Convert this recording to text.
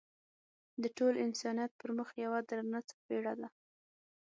د ټول انسانیت پر مخ یوه درنه څپېړه ده.